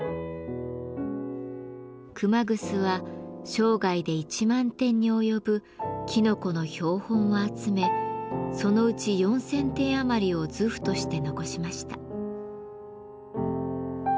熊楠は生涯で１万点に及ぶきのこの標本を集めそのうち４，０００点余りを図譜として残しました。